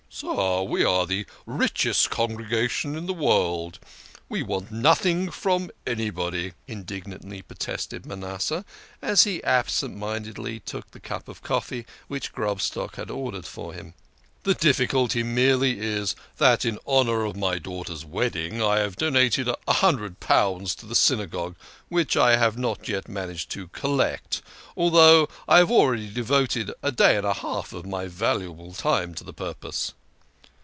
" Sir ! We are the richest congregation in the world. We want nothing from anybody," indignantly protested Manasseh, as he absent mindedly took the cup of coffee which Grobstock had ordered for him. "The difficulty merely is that, in honour of my daughter's wedding, I have donated a hundred pounds to the Synagogue which I have not yet managed to collect, although I have already devoted a day and a half of my valuable time to the purpose."